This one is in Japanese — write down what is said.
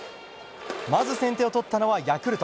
まず先手を取ったのはヤクルト。